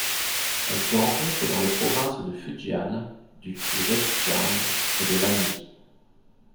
Elle se rencontre dans les provinces du Fujian, du Zhejiang et de l'Anhui.